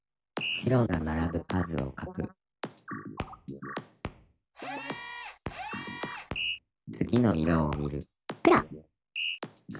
白がならぶ数を書く次の色を見る「黒」。